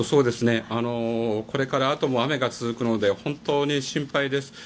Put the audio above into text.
これからあとも雨が続くので本当に心配です。